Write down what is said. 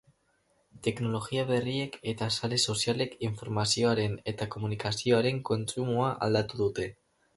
Teknologia berriek eta sare sozialek informazioaren eta komunikazioaren kontsumoa aldatu dute.